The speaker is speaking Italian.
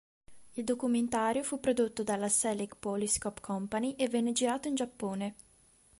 Il documentario fu prodotto dalla Selig Polyscope Company e venne girato in Giappone.